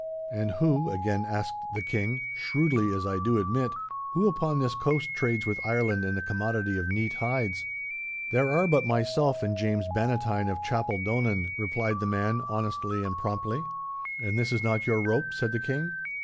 'And who,' again asked the King—shrewdly, as I do admit, 'who upon this coast trades with Ireland in the commodity of neat hides?' 'There are but myself and James Bannatyne of Chapeldonnan,' replied the man, honestly and promptly. 'And this is not your rope?' said the King.